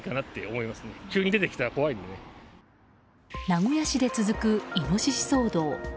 名古屋市で続くイノシシ騒動。